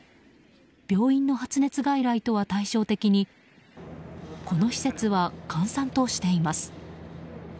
病院の発熱外来とは対照的にこの施設は閑散としています。